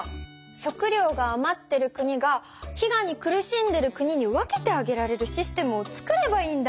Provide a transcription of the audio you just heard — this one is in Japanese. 食料があまってる国が飢餓に苦しんでる国に分けてあげられるシステムを作ればいいんだ。